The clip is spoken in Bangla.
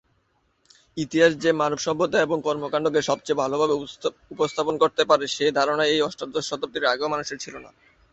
ইতিহাস যে মানব সভ্যতা এবং কর্মকাণ্ডকে সবচেয়ে ভালোভাবে উপস্থাপন করতে পারে সে ধারণা এই অষ্টাদশ শতাব্দীর আগেও মানুষের ছিল না।